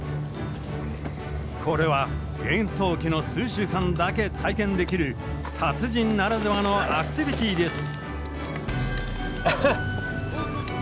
これは厳冬期の数週間だけ体験できる達人ならではのアクティビティーです。